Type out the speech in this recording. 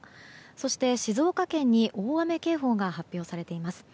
そして、静岡県に大雨警報が発表されています。